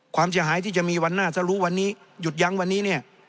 ความเสียหายที่จะมีวันหน้าถ้ารู้วันนี้หยุดยั้งวันนี้เนี่ย